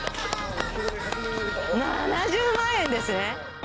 ７０万円ですね。